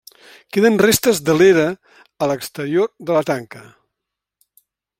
Queden restes de l'era a l'exterior de la tanca.